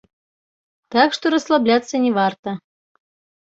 Так што расслабляцца не варта.